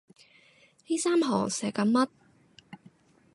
呢三行寫緊乜？